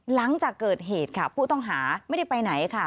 หลังจากเกิดเหตุค่ะผู้ต้องหาไม่ได้ไปไหนค่ะ